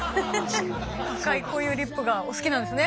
赤いこういうリップがお好きなんですね？